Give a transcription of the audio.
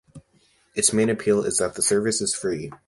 Its main appeal is that the service is free.